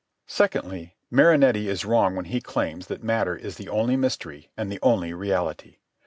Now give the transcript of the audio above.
Secondly, Marinetti is wrong when he claims that matter is the only mystery and the only reality.